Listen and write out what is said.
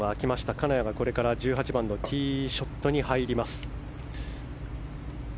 金谷が１８番ティーショットに入ります。